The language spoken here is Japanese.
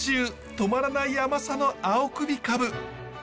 止まらない甘さの青首カブ。